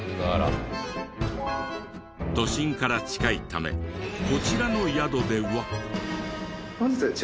都心から近いためこちらの宿では。